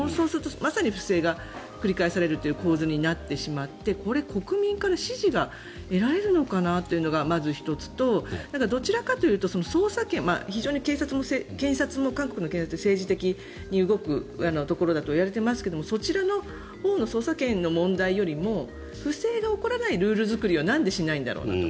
まさに不正が繰り返されるという構図になってしまってこれ、国民から支持が得られるのかなというのがまず１つとどちらかというと捜査権非常に韓国の検察も政治的に動くところだと言われていますけどそちらのほうの捜査権の問題よりも不正が起こらないルール作りをなんでしないんだろうなと。